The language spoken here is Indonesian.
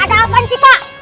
ada apaan sih pak